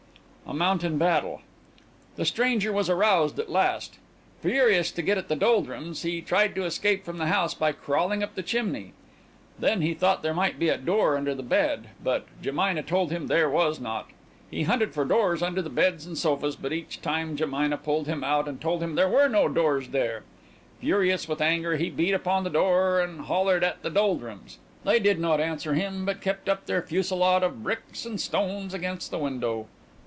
A MOUNTAIN BATTLE The stranger was aroused at last. Furious to get at the Doldrums, he tried to escape from the house by crawling up the chimney. Then he thought there might be a door under the bed, but Jemina told him there was not. He hunted for doors under the beds and sofas, but each time Jemina pulled him out and told him there were no doors there. Furious with anger, he beat upon the door and hollered at the Doldrums. They did not answer him, but kept up their fusillade of bricks and stones against the window.